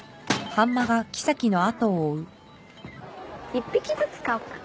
１匹ずつ飼おっか。